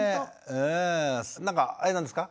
なんかあれなんですか？